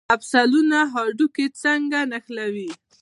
مفصلونه هډوکي څنګه نښلوي؟